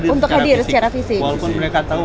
untuk hadir secara fisik walaupun mereka tahu